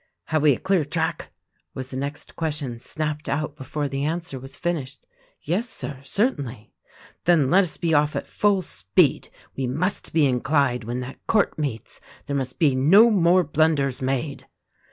"Have we a clear track?" was the next question, snapped out before the answer was finished. "Yes, Sir, certainly." "Then let us be off at full speed. We must be in Clyde when that court meets. There must be no more blunders made."